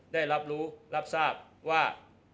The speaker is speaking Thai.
ได้รับรู้รับทราบว่า